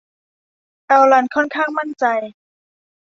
แอลลันค่อนข้างมั่นใจ